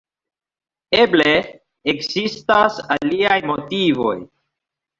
Eble, ekzistas aliaj motivoj.